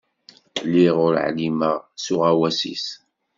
Lliɣ ur εlimeɣ s uɣawas-is.